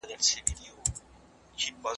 د ښکار سوو حیواناتو غوښه په بازار کي چا پلورله؟